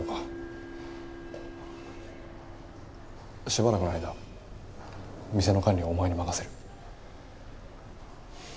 しばらくの間店の管理はお前に任せる。